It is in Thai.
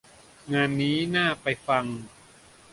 งานนี้น่าไปฟัง